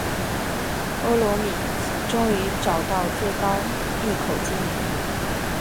欧罗米终于找到最高隘口精灵。